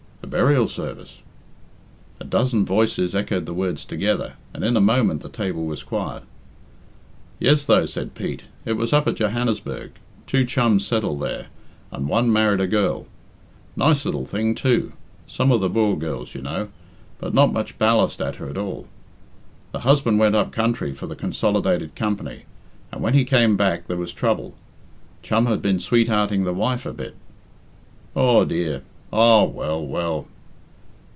"A burial sarvice!" A dozen voices echoed the words together, and in a moment the table was quiet. "Yes, though," said Pete. "It was up at Johannesburg. Two chums settled there, and one married a girl. Nice lil thing, too; some of the Boer girls, you know; but not much ballast at her at all. The husband went up country for the Consolidated Co., and when he came back there was trouble. Chum had been sweethearting the wife a bit!" "Aw, dear!" "Aw, well, well!"